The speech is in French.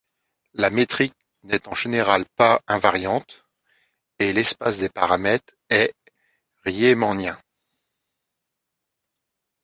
La métrique n'est en général pas invariante, et l'espace des paramètres est Riemannien.